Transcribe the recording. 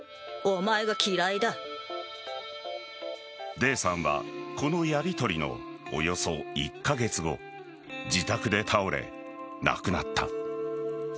デーさんはこのやりとりのおよそ１カ月後自宅で倒れ、亡くなった。